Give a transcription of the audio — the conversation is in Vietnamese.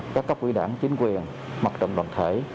các cấp quỹ đảng chính quyền mặt trận đoàn thể